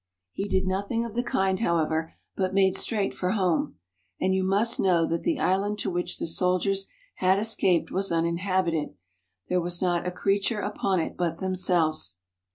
He did nothing of the kind, however, but made straight for home. And you must know that the island to which the soldiers had escaped was uninhabited: there was not a creature upon it but themselves.